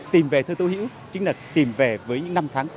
tìm về thơ tô hữu chính là tìm về với những năm tháng